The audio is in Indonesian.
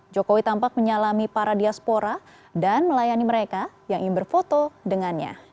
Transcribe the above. jokowi tampak menyalami para diaspora dan melayani mereka yang ingin berfoto dengannya